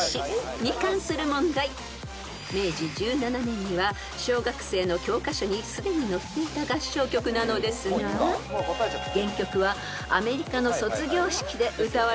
［明治１７年には小学生の教科書にすでに載っていた合唱曲なのですが原曲はアメリカの卒業式で歌われていた曲でした］